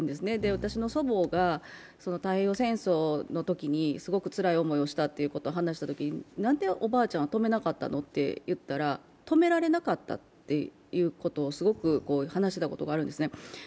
私の祖母が太平洋戦争のときにすごくつらい思いをしたと話したときに、何でおばあちゃんは止めなかったの？と言ったら止められなかったっていうことをすごく話していたことがあるんですね。